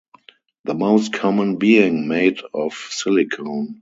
The most common being made of silicone.